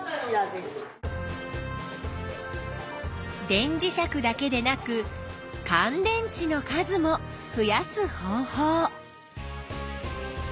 電磁石だけでなくかん電池の数も増やす方法。